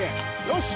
よし！